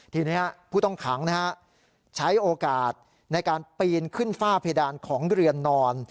ทีนี้ผู้ต้องขังใช้โอกาสในการปีนขึ้นฝ้าเพดานของเรือนนอน